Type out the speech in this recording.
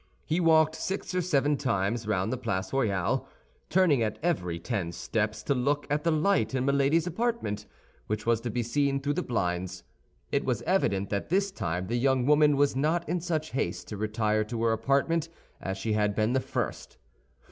He walked six or seven times round the Place Royale, turning at every ten steps to look at the light in Milady's apartment, which was to be seen through the blinds. It was evident that this time the young woman was not in such haste to retire to her apartment as she had been the first.